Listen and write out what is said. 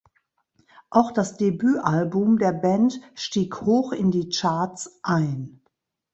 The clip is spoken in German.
Auch das Debütalbum der Band stieg hoch in die Charts ein.